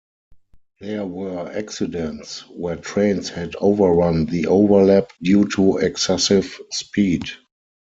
There were accidents where trains had overrun the overlap due to excessive speed.